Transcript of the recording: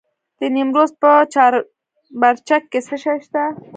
د نیمروز په چاربرجک کې څه شی شته؟